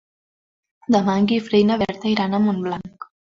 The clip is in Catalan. Demà en Guifré i na Berta iran a Montblanc.